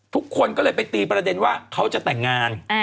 ทุกคนก็เลยไปตีประเด็นว่าเขาจะแต่งงาน